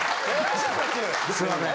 ・すいません。